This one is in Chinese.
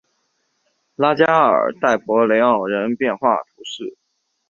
拉加尔代帕雷奥人口变化图示